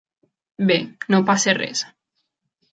Bé, no passa res.